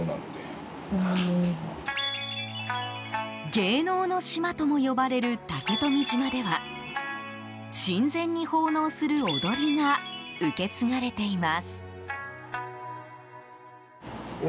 芸能の島ともいわれる竹富島では神前に奉納する踊りが受け継がれています。